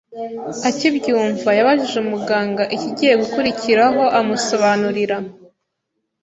akibyumva yabajije umuganga ikigiye gukurikiraho amusobanurira